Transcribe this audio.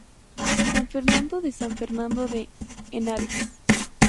San Fernando de San Fernando de Henares.